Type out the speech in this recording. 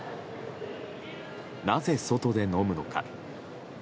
なぜ、外で飲むのか。